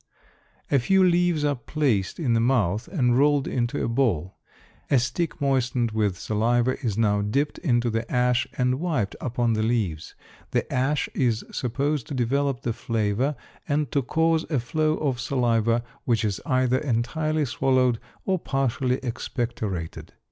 A few leaves are placed in the mouth and rolled into a ball; a stick moistened with saliva is now dipped into the ash and wiped upon the leaves. The ash is supposed to develop the flavor and to cause a flow of saliva which is either entirely swallowed or partially expectorated.